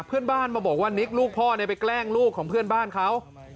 เพื่อนบ้านมาบอกว่านิกลูกพ่อไปแกล้งลูกของเพื่อนบ้านเขา